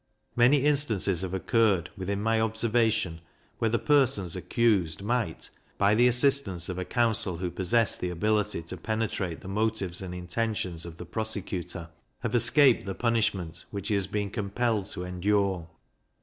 Many instances have occurred, within my observation, where the persons accused might, by the assistance of a counsel who possessed the ability to penetrate the motives and intentions of the prosecutor, have escaped the punishment which he has been compelled to endure.